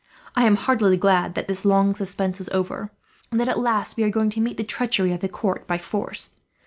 "I am heartily glad this long suspense is over, and that at last we are going to meet the treachery of the court by force.